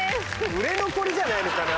売れ残りじゃないのかな。